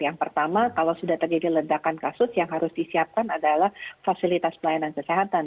yang pertama kalau sudah terjadi ledakan kasus yang harus disiapkan adalah fasilitas pelayanan kesehatan